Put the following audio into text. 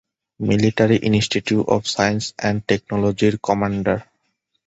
Military institute of science and টেকনোলজির commander.